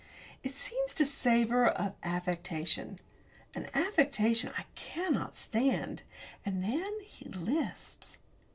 It seems to savour of affectation. And affectation I cannot stand. And then he lisps.